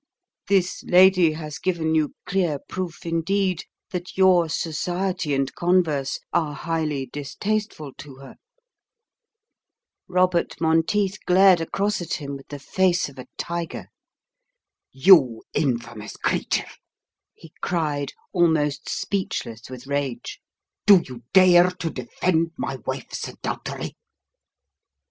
This lady has given you clear proof indeed that your society and converse are highly distasteful to her." Robert Monteith glared across at him with the face of a tiger. "You infamous creature," he cried, almost speechless with rage, "do you dare to defend my wife's adultery?"